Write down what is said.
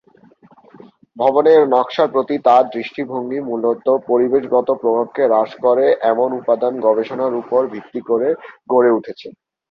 ভবনের নকশার প্রতি তাঁর দৃষ্টিভঙ্গি মূলত পরিবেশগত প্রভাবকে হ্রাস করে এমন উপাদান গবেষণার উপর ভিত্তি করে গড়ে উঠেছে।